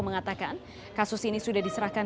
mengatakan kasus ini sudah diserahkan